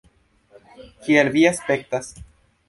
Kiel vi aspektas?